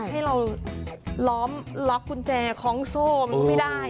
ให้เราล้อมลดเงินล็อคกุญแจของโซมไม่ได้